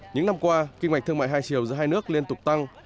những năm qua kinh mạch thương mại hai triệu giữa hai nước liên tục tăng